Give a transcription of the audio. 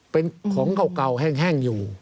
เป็นของเก่าแห้งอยู่